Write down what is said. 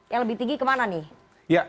yang lebih tinggi kemana nih